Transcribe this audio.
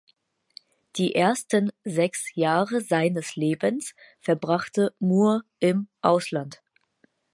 Die ersten sechs Jahre seines Lebens verbrachte Moore im Ausland.